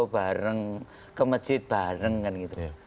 bareng ke masjid bareng kan gitu